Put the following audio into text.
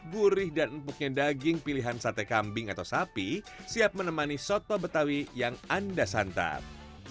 gurih dan empuknya daging pilihan sate kambing atau sapi siap menemani soto betawi yang anda santap